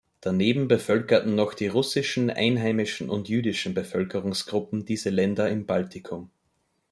Daneben bevölkerten noch die russischen, einheimischen und jüdischen Bevölkerungsgruppen diese Länder im Baltikum.